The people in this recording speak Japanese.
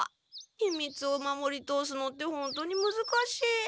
ひみつを守り通すのってほんとにむずかしい。